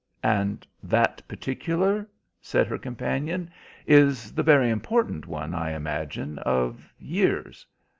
"And that particular," said her companion, "is the very important one, I imagine, of years."